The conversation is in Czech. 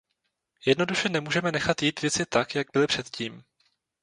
Jednoduše nemůžeme nechat jít věci tak, jak byly před tím.